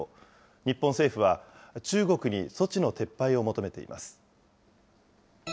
日本政府は中国に措置の撤廃を求めています。